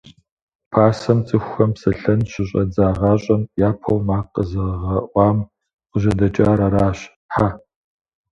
Пасэм, цӀыхухэм псэлъэн щыщӀадзагъащӀэм, япэу макъ къэзыгъэӀуам къыжьэдэкӀар аращ – Хьэ.